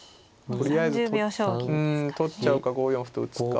とりあえず取っちゃうか５四歩と打つか。